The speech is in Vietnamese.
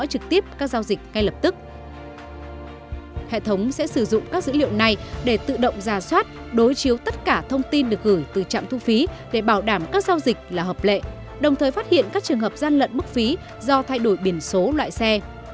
hãy bảo đảm các giao dịch là hợp lệ đồng thời phát hiện các trường hợp gian lận mức phí do thay đổi biển số loại xe